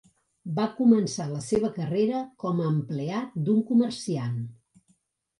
Va començar la seva carrera com a empleat d'un comerciant.